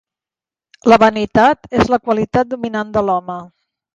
La vanitat és la qualitat dominant de l'home.